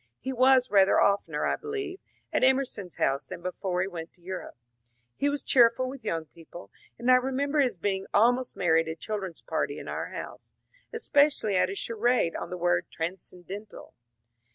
He was rather of tener, I believe, at Em erson's house than before he went to Europe. He was cheer ful with young people, and I remember his being almost merry at a children's party in our house ; especially at a charade on the word ^^ transcendental."